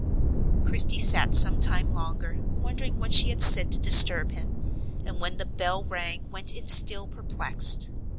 Christie sat some time longer, wondering what she had said to disturb him, and when the bell rang went in still perplexed.